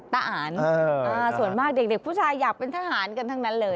ทหารส่วนมากเด็กผู้ชายอยากเป็นทหารกันทั้งนั้นเลย